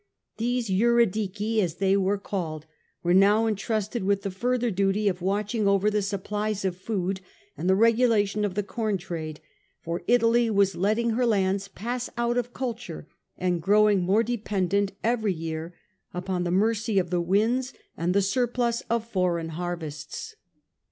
These ^juridieij as they were called, were now entrusted with the further duty of watch ing over the supplies of food, and the regulation of the corn trade, for Italy was letting her lands pass out of culture, and growing more dependent every year upon the mercy of the winds and the surplus of foreign harvests.